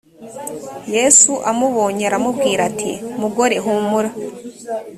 yesu amubonye aramubwira ati “mugore humura”